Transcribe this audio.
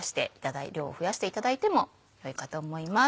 量を増やしていただいてもよいかと思います。